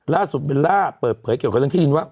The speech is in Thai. ล่าสุดเบลล่าเปิดเผยเกี่ยวกับที่ดินว่า